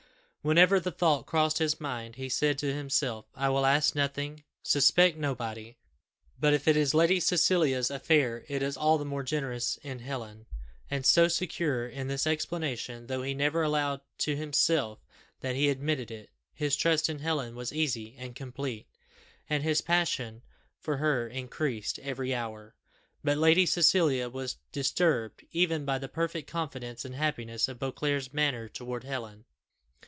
Whenever the thought crossed his mind, he said to himself, "I will ask nothing suspect nobody; but if it is Lady Cecilia's affair, it is all the more generous in Helen." And so, secure in this explanation, though he never allowed to himself that he admitted it, his trust in Helen was easy and complete, and his passion for her increased every hour. But Lady Cecilia was disturbed even by the perfect confidence and happiness of Beauclerc's manner towards Helen.